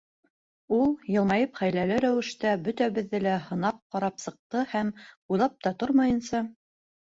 Ул, йылмайып, хәйләле рәүештә бөтәбеҙҙе лә һынап ҡарап сыҡты һәм, уйлап та тормайынса: